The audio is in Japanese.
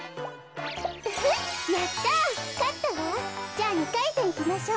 じゃあ２かいせんいきましょう。